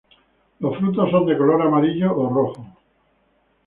Los frutos son de color amarillo o rojo.